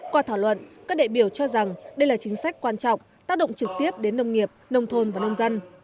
qua thảo luận các đại biểu cho rằng đây là chính sách quan trọng tác động trực tiếp đến nông nghiệp nông thôn và nông dân